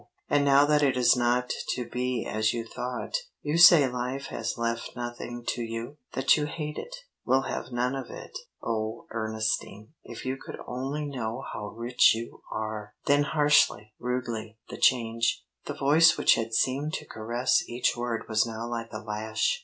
And now that it is not to be as you thought, you say life has left nothing to you; that you hate it; will have none of it. Oh, Ernestine, if you could only know how rich you are!" Then harshly, rudely, the change; the voice which had seemed to caress each word was now like a lash.